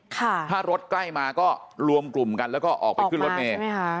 ถ้ารถใกล้มาก็รวมกลุ่มกันแล้วก็ออกไปขึ้นรถเมย์